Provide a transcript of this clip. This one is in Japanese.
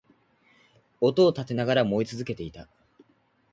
音を立てながら燃え続けていた